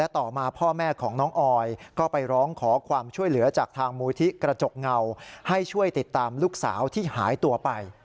ต่อมาพ่อแม่ของน้องออยก็ไปร้องขอความช่วยเหลือจากทางมูลที่กระจกเงาให้ช่วยติดตามลูกสาวที่หายตัวไป